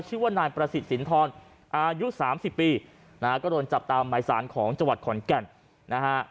ชื่อว่านายประสิทธิ์สินทรอายุสามสิบปีนะฮะก็โดนจับตามหมายสารของจังหวัดขอนแก่นนะฮะ